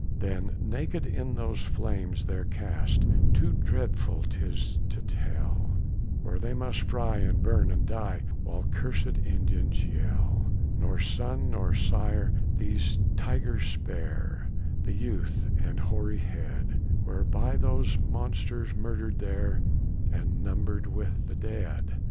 Then naked in those flames they're cast, Too dreadful 'tis to tell, Where they must fry, and burn and die, While cursed Indians yell. Nor son, nor sire, these tigers spare, The youth, and hoary head, Were by those monsters murdered there, And numbered with the dead.